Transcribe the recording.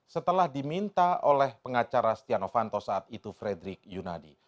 setelah diminta oleh pengacara stianofanto saat itu fredrik yunadi